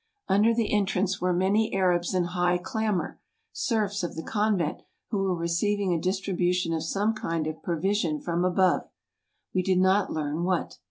Under the entrance were many Arabs in high clamour, serfs of the convent, who were receiving a distribution of some kind of provision from above; we did not learn what.